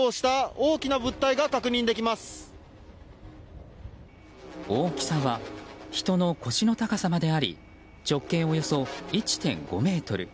大きさは人の腰の高さまであり直径およそ１．５ｍ。